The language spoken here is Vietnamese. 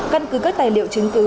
căn cứ các tài liệu chứng cứ